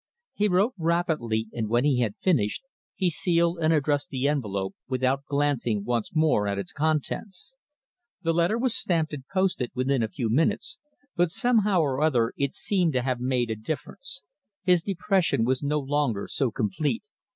He wrote rapidly, and when he had finished, he sealed and addressed the envelope without glancing once more at its contents. The letter was stamped and posted within a few minutes, but somehow or other it seemed to have made a difference. His depression was no longer so complete.